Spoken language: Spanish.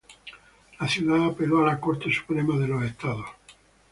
La ciudad apeló a la Corte Suprema de los Estados Unidos.